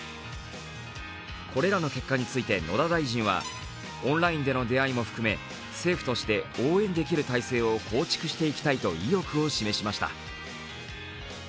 これからの結果について野田大臣はオンラインでの出会いも含め、政府として応援できる体制を構築していきたいと意欲を示しました。